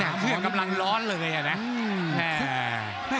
เนี่ยกำลังร้อนเลยอ่ะนะ